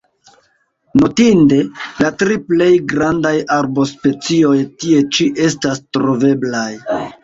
Notinde, la tri plej grandaj arbospecioj tie ĉi estas troveblaj.